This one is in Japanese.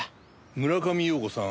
村上陽子さん